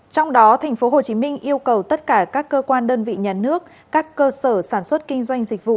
trong đó tp hcm yêu cầu tất cả các cơ quan đơn vị nhà nước các cơ sở sản xuất kinh doanh dịch vụ